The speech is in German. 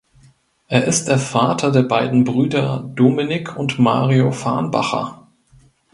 Er ist der Vater der beiden Brüder Dominik und Mario Farnbacher.